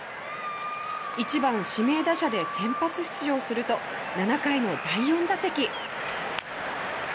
一番指名打者で先発出場すると７回の第４打席。